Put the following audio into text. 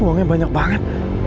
uangnya banyak banget